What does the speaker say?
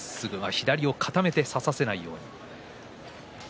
左を固めて差させないようにしました。